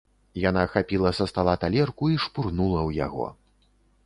Яна хапіла са стала талерку і шпурнула ў яго.